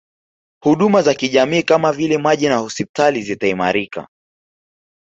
Huduna za kijamii kama vile maji na hospitali zitaimarika